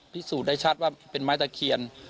พิสูจน์ได้ชัดว่าเป็นไม้ตะเคียน